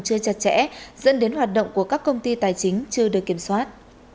chưa chặt chẽ dẫn đến hoạt động của các công ty tài chính chưa được kiểm soát